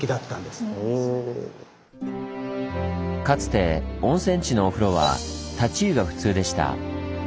かつて温泉地のお風呂は「立ち湯」が普通でした。